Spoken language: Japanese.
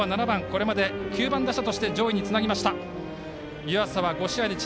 これまで９番打者として上位につなぎました。